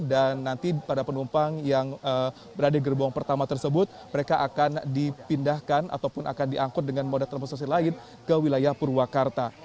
dan nanti pada penumpang yang berada di gerbong pertama tersebut mereka akan dipindahkan ataupun akan diangkut dengan modal terpengusus lain ke wilayah purwakarta